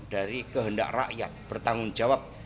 dari kehendak rakyat bertanggung jawab